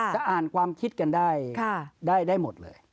จะอ่านความคิดกันได้หมดเลย